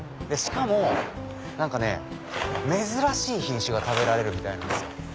しかも珍しい品種が食べられるみたいなんです。